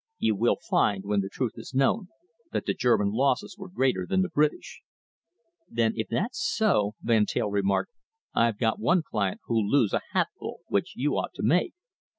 You will find, when the truth is known, that the German losses were greater than the British." "Then if that's so," Van Teyl remarked, "I've got one client who'll lose a hatful which you ought to make.